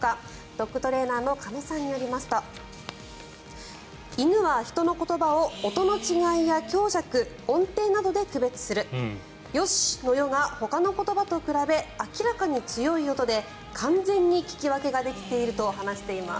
ドッグトレーナーの鹿野さんによりますと犬は人の言葉を音の違いや強弱、音程などで区別する「よし！」の「よ」がほかの言葉と比べ明らかに強い音で完全に聞き分けができていると話しています。